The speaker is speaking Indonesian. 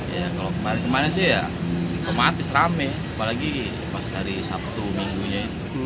ya kalau kemarin kemarin sih ya otomatis rame apalagi pas hari sabtu minggunya itu